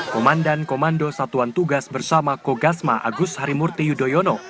komandan komando satuan tugas bersama kogasma agus harimurti yudhoyono